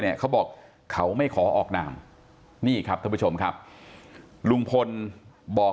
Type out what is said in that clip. เขาบอกเขาไม่ขอออกนามนี่ครับท่านผู้ชมครับลุงพลบอก